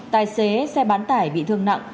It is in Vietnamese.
tài xế xe bán tải bị thương nặng